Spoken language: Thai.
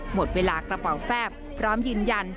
หมดเวลากระเป๋าแฟบพร้อมยืนยัน